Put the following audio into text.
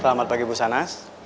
selamat pagi bu sanas